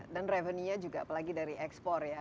dan revenue nya juga apalagi dari ekspor ya